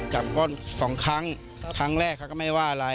ก้อนสองครั้งครั้งแรกเขาก็ไม่ว่าอะไร